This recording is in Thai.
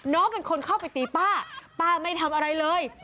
น้องเป็นคนเข้าไปตีป้าป้าไม่ทำอะไรเลย